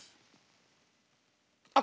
あっ